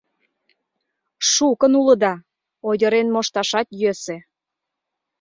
— Шукын улыда... ойырен мошташат йӧсӧ...